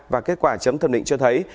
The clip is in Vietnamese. và kết quả chấm thẩm định cho thấy